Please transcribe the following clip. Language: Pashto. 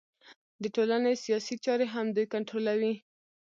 د ټولنې سیاسي چارې هم دوی کنټرولوي